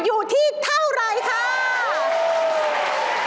อยู่ที่เท่าไรค่ะ